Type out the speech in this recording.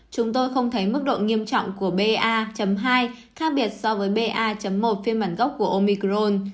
chúng tôi không thấy mức độ nghiêm trọng của ba hai khác biệt so với ba một phiên bản gốc của omicron